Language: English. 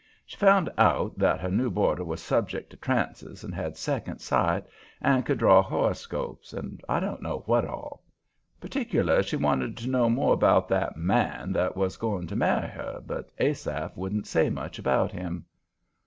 She found out that her new boarder was subject to trances and had second sight and could draw horoscopes, and I don't know what all. Particular she wanted to know more about that "man" that was going to marry her, but Asaph wouldn't say much about him.